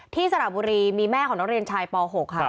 ที่สระบุรีมีแม่ของต้อนรัฐเรียนป๖ค่ะ